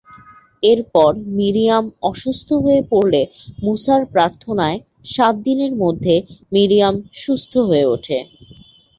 এরপর মিরিয়াম অসুস্থ হয়ে পরলে মুসার প্রার্থনায় সাত দিনের মধ্যে মিরিয়াম সুস্থ হয়ে ওঠে।